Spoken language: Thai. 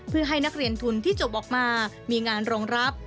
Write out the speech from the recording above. เพื่อให้นักเรียนทุนที่จบออกมามีงานรองรับ